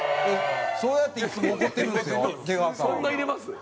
そうやっていつも怒ってるんですよ